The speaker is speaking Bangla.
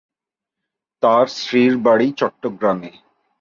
তার স্ত্রীর বাড়ি চট্টগ্রামে।